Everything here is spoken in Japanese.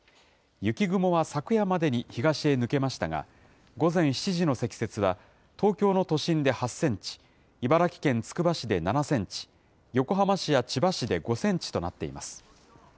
雪雲は昨夜までに東へ抜けましたが、午前７時の積雪は、東京の都心で８センチ、茨城県つくば市で７センチ、横浜市や千葉市で５センチとなっています。